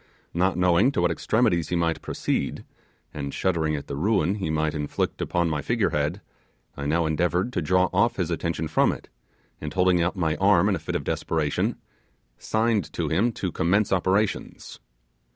Not knowing to what extremities he might proceed, and shuddering at the ruin he might inflict upon my figure head, I now endeavoured to draw off his attention from it, and holding out my arm in a fit of desperation, signed to him to commence operations.